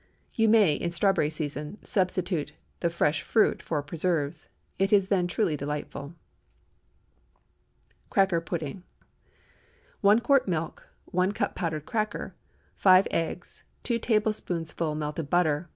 You may, in strawberry season, substitute the fresh fruit for preserves. It is then truly delightful. CRACKER PUDDING. ✠ 1 quart milk. 1 cup powdered cracker. 5 eggs. 2 tablespoonfuls melted butter.